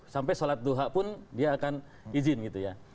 sampai sholat duha pun dia akan izin gitu ya